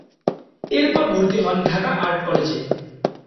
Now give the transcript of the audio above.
এরপর ভর্তি হন ঢাকা আর্ট কলেজে।